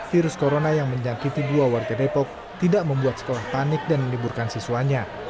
virus corona yang menjangkiti dua warga depok tidak membuat sekolah panik dan meliburkan siswanya